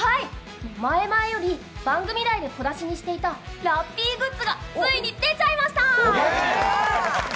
前々より番組内で小出しにしていたラッピーグッズがついに出ちゃいました。